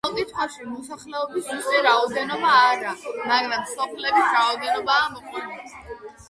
გამოკითხვაში მოსახლეობის ზუსტი რაოდენობა არა, მაგრამ სოფლების რაოდენობაა მოყვანილი.